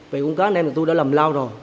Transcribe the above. vậy quân cá này thì tôi đã làm lao rồi